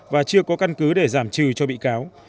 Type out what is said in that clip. và chưa có căn cứ để giảm trừ cho bị cáo